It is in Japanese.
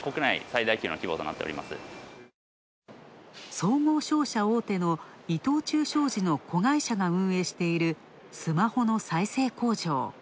総合商社大手の伊藤忠商事の子会社が運営しているスマホの再生工場。